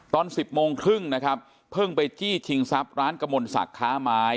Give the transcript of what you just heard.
ตอน๑๐โมงครึ่งนะครับเพิ่งไปจี้ชิงทรัพย์ร้านกระมวลศักดิ์ค้าไม้